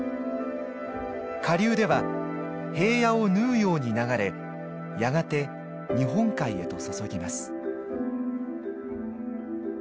下流では平野を縫うように流れやがて日本海へと注ぎます。